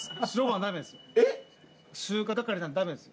ダメです。